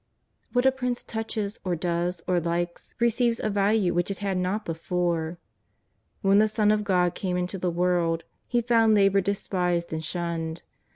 What a prince touches, or does, or likes, receives a value which it had not before. When the Son of God came into the world, He found labour despised and shunned.